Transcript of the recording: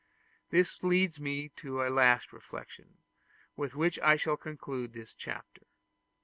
This leads me to a last reflection, with which I shall conclude this chapter.